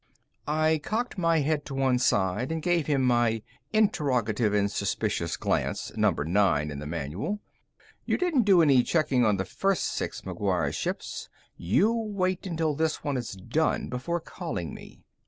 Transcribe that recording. I cocked my head to one side and gave him my Interrogative And Suspicious Glance Number 9 in the manual. "You didn't do any checking on the first six McGuire ships. You wait until this one is done before calling me.